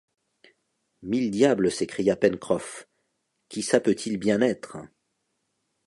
Mille diables s’écria Pencroff, qui ça peut-il bien être